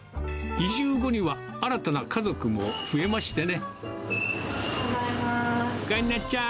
移住後には、新たな家族も増ただいまー。